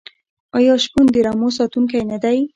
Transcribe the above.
آیا شپون د رمو ساتونکی نه دی؟